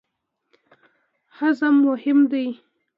هضم مهم دی.